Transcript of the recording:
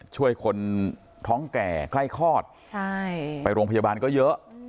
ช่วยคนท้องแก่ใกล้คลอดไปโรงพยาบาลก็เยอะ